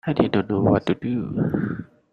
I didn't know what to do.